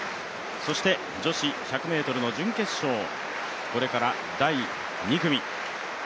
そして女子１００ｍの準決勝、これから第２組。